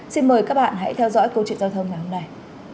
xin mời các bạn hãy theo dõi câu chuyện giao thông ngày hôm nay